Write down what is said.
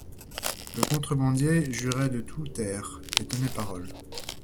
Le contrebandier jurait de tout taire, et tenait parole.